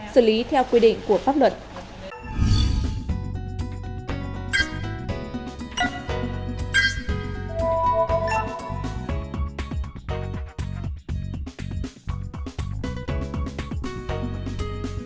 xử lý theo quy định của pháp luật